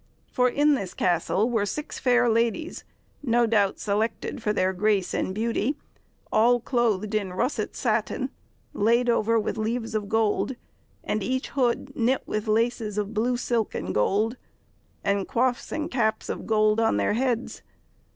For in this castle were six fair ladies, no doubt selected for their grace and beauty, all clothed in russet satin, laid over with leaves of gold, and each hood knit with laces of blue silk and gold; and coifs and caps of gold on their heads.